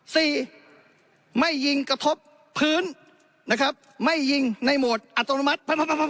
สี่ไม่ยิงกระทบพื้นนะครับไม่ยิงในโหมดอัตโนมัติ